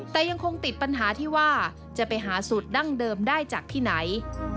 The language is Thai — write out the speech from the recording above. แต่ยังคงติดปัญหาที่ว่าจะไปหาสูตรดั้งเดิมได้จากที่ไหน